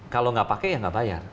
kalau nggak pakai ya nggak bayar